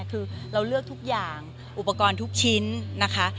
คือเราเลือกทุกอย่างอุปกรณ์ทุกชิ้นนะคะ